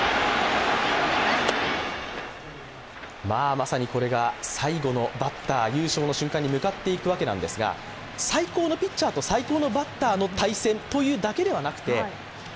まさにこれが最後のバッター、優勝の瞬間に向かっていくわけなんですが最高のピッチャーと最高のバッターの対戦というだけではなくて。